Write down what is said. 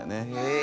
え。